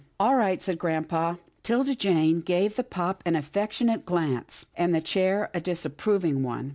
" All right," said grampa. 'Tilda Jane gave the pup an affectionate glance, and the chair a disapproving one.